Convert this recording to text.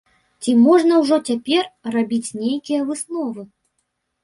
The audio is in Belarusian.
Ці можна ўжо цяпер рабіць нейкія высновы?